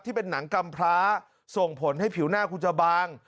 ที่เป็นหนังกำพร้าส่งผลให้ผิวหน้าคุณจะบาง